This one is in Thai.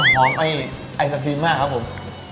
หอมไอศครีมมากครับผม